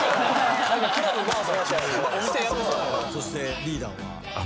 「そしてリーダーは？」